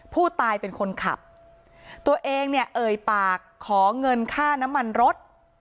ผู้ตายเป็นคนขับตัวเองเนี่ยเอ่ยปากขอเงินค่าน้ำมันรถ